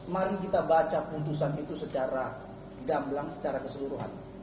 mari kita baca putusan itu secara gamblang secara keseluruhan